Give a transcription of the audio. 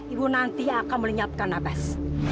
ibu nanti akan melinyatkan nabas